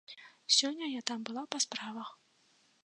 Сёння я там была па справах.